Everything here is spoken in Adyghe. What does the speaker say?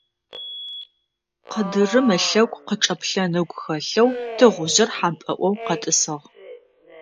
Къыдырым ылъэгу къычӀэплъэн ыгу хэлъэу тыгъужъыр хьампӀэloy къэтӀысыгъ.